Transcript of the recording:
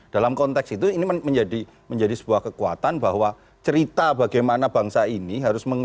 dalam konteks itu ini menjadi sebuah kekuatan bahwa cerita bagaimana bangsa ini harus